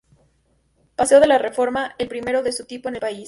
Paseo de la Reforma, el primero de su tipo en el país.